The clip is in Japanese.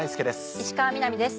石川みなみです。